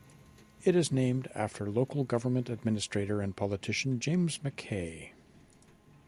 It is named after local Government administrator and politician James Mackay.